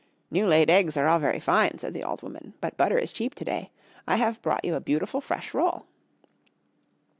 "New laid eggs are all very fine," said the old woman, "but butter is cheap to day. I have brought you a beautiful fresh roll."